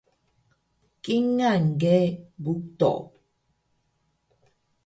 kingal ge puto